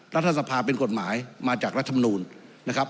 รัฐสภาเป็นกฎหมายมาจากรัฐมนูลนะครับ